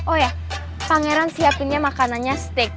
oh ya pangeran siapinnya makanannya steak